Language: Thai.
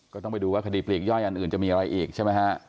ก็ต้องไปดูว่าคดีปลีกย่อยอันอื่นจะมีอะไรอีกใช่ไหมฮะ